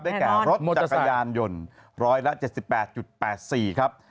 ได้แก่รถจักรยานยนต์ร้อยละ๗๘๘๔ครับ